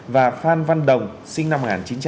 và phan văn đồng sinh năm một nghìn chín trăm chín mươi hai